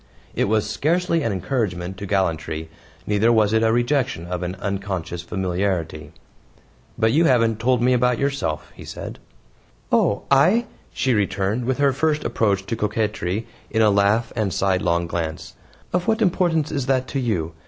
It was scarcely an encouragement to gallantry, neither was it a rejection of an unconscious familiarity. "But you haven't told me about yourself," he said. "Oh, I," she returned, with her first approach to coquetry in a laugh and a sidelong glance, "of what importance is that to you?